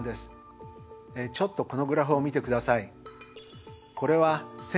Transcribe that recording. ちょっとこのグラフを見てください。